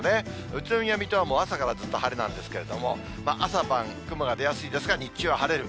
宇都宮、水戸はもう朝からずっと晴れなんですけども、朝晩、雲が出やすいですが、日中は晴れる。